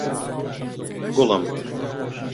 گوڵم!